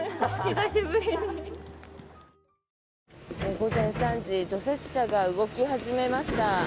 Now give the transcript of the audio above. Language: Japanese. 午前３時除雪車が動き始めました。